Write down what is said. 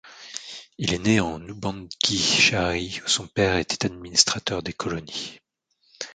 Il est né en Oubangui-Chari où son père était administrateur des colonies.